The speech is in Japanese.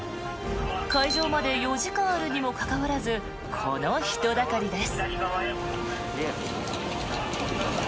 開場まで４時間あるにもかかわらずこの人だかりです。